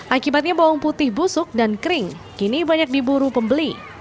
akibatnya bawang putih busuk dan kering kini banyak diburu pembeli